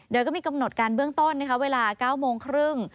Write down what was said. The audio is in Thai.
โดยก็มีกำหนดการเบื้องต้นเวลา๙โมงครึ่ง